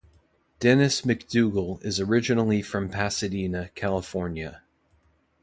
Dennis McDougal is originally from Pasadena, California.